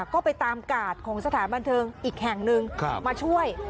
ก็ไปตามกาดของสถานบันเทิงอีกแห่งหนึ่งมาช่วย